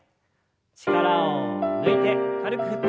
力を抜いて軽く振って。